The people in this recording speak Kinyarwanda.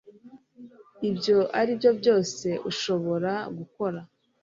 ibyo aribyo byose ushobora gukora